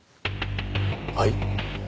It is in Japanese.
はい？